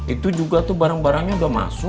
itu juga tuh barang barangnya sudah masuk